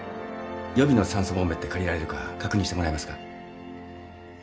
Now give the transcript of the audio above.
予備の酸素ボンベって借りられるか確認してもらえますか？